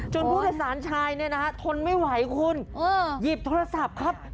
ผู้โดยสารชายเนี่ยนะฮะทนไม่ไหวคุณหยิบโทรศัพท์ครับ